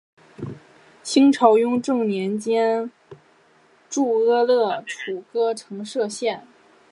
清朝雍正年间筑阿勒楚喀城设县。